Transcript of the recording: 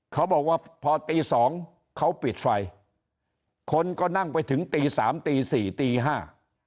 เขาบอกว่าพอตีสองเขาปิดไฟคนก็นั่งไปถึงตีสามตีสี่ตีห้า